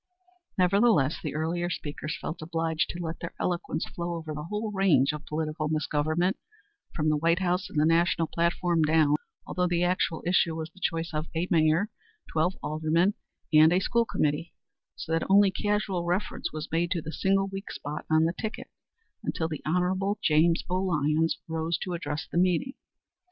Nevertheless the earlier speakers felt obliged to let their eloquence flow over the whole range of political misgovernment from the White House and the national platform down, although the actual issue was the choice of a mayor, twelve aldermen and a school committee, so that only casual reference was made to the single weak spot on the ticket until the Hon. James O. Lyons rose to address the meeting.